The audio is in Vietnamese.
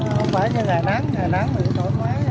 không phải như ngày nắng ngày nắng thì nó nổi quá